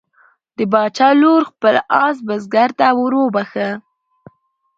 د باچا لور خپل آس بزګر ته وروبخښه.